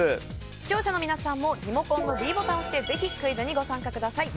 視聴者の皆さんもリモコンのｄボタンを押してぜひクイズにご参加ください。